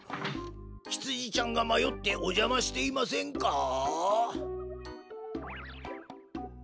ひつじちゃんがまよっておじゃましていませんか？